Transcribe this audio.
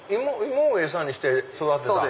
芋を餌にして育てた。